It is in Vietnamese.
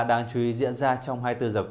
đang truy dịch